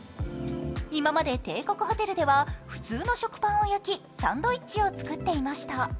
今まで帝国ホテルでは普通の食パンを焼きサンドイッチを作っていました。